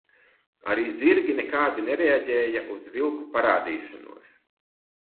Arī zirgi nekādi nereaģēja uz vilku parādīšanos.